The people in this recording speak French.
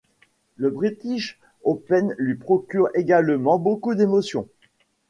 Le British Open lui procure également beaucoup d'émotions.